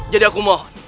jadi aku mohon